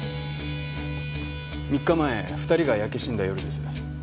３日前２人が焼け死んだ夜です。